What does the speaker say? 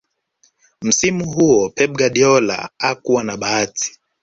msimu huo pep guardiola hakuwa na bahati